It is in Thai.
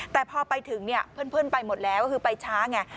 แต่พอไปถึงเนี่ยเพื่อนไปหมดแล้วก็คือไปช้าไง